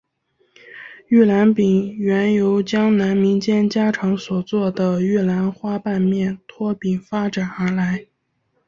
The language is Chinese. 玉兰饼原由江南民间家常所做的玉兰花瓣面拖饼发展而来。